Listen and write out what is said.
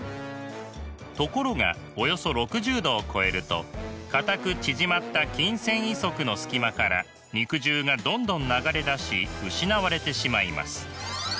ところがおよそ６０℃を超えると固く縮まった筋繊維束の隙間から肉汁がどんどん流れ出し失われてしまいます。